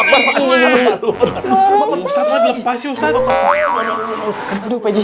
allah akbar kayak di sana nih ustadz